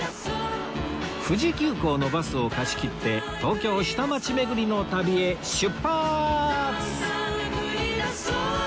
富士急行のバスを貸し切って東京下町巡りの旅へ出発！